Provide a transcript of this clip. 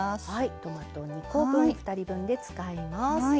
トマトを２コ分２人分で使います。